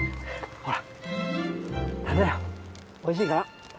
おいしいか？